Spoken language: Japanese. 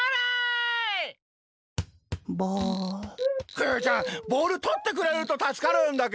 クヨヨちゃんボールとってくれるとたすかるんだけど。